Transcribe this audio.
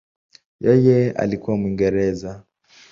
Yeye alikuwa Mwingereza.